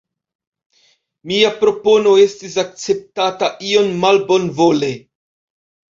Mia propono estis akceptata iom malbonvole.